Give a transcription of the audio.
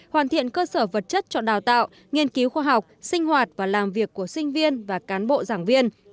hoàn thiện cơ sở vật chất cho đào tạo nghiên cứu khoa học sinh hoạt và làm việc của sinh viên và cán bộ giảng viên